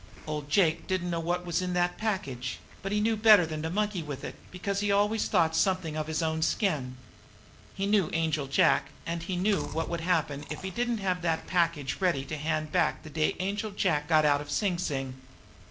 Old Jake didn't know what was in that package; but he knew better than to monkey with it, because he always thought something of his own skin. He knew Angel Jack, and he knew what would happen if he didn't have that package ready to hand back the day Angel Jack got out of Sing Sing.